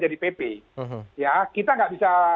jadi pp kita nggak bisa